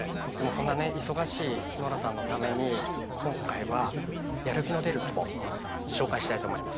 そんなね忙しいノラさんのために今回はやる気の出るつぼ紹介したいと思います。